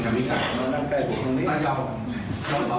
ให้ว่ามีเรื่องน้ำด้วยนะ